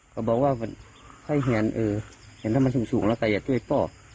เขาบอกว่าให้เห็นเออเห็นถ้ามันสูงแล้วก็อยากช่วยพ่อ